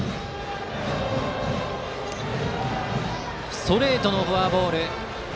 ストレートでフォアボール。